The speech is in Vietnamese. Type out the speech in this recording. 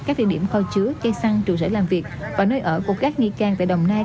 các địa điểm kho chứa cây săn trụ sở làm việc và nơi ở của các nghi can tại đồng nai